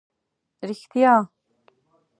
رښتیا.